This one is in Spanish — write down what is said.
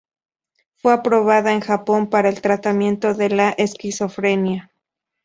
Fue aprobada en Japón para el tratamiento de la esquizofrenia.